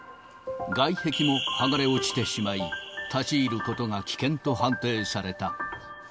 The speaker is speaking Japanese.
外壁も剥がれ落ちてしまい、立ち入ることが危険と判定された。